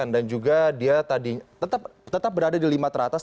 dan juga dia tetap berada di lima teratas